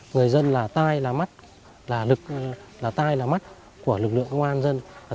người dân là tai là mắt là lực là tai là mắt của lực lượng công an dân